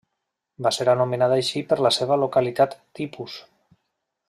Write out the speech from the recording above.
Va ser anomenat així per la seva localitat tipus.